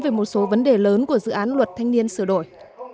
về một số vấn đề lớn của dự án luật thanh niên sửa đổi